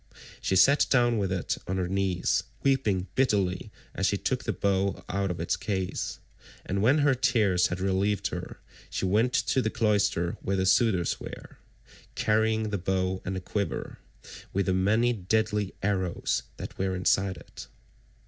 She sat down with it on her knees, weeping bitterly as she took the bow out of its case, and when her tears had relieved her, she went to the cloister where the suitors were, carrying the bow and the quiver, with the many deadly arrows that were inside it.